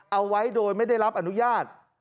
เอาไว้โดยไม่ได้รับอนุญาต